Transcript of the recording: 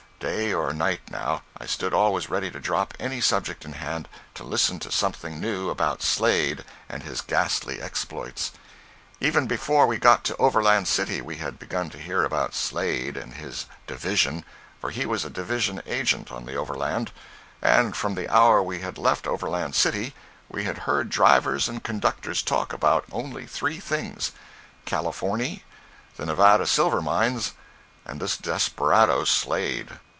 Day or night, now, I stood always ready to drop any subject in hand, to listen to something new about Slade and his ghastly exploits. Even before we got to Overland City, we had begun to hear about Slade and his "division" (for he was a "division agent") on the Overland; and from the hour we had left Overland City we had heard drivers and conductors talk about only three things—"Californy," the Nevada silver mines, and this desperado Slade.